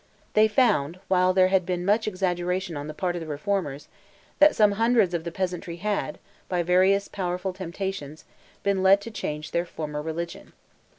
They found, while there had been much exaggeration on the part of the reformers, that some hundreds of the peasantry had, by various powerful temptations, been led to change their former religion.